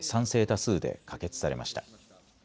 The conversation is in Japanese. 多数で可決されました。